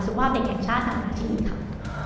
สุขภาพเด็กแห่งชาติอ่ะจริงค่ะ